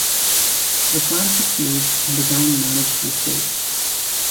The plan succeeds, and the gang manage to escape.